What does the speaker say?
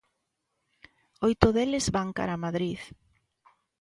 Oito deles van cara a Madrid.